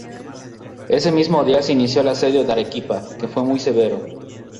Ese mismo día se inició el asedio de Arequipa, que fue muy severo.